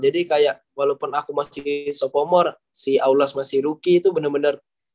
jadi kayak walaupun aku masih sophomore si aulas masih rookie tuh bener bener